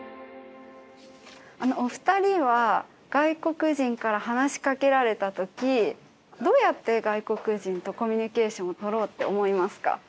お二人は外国人から話しかけられた時どうやって外国人とコミュニケーションを取ろうって思いますか？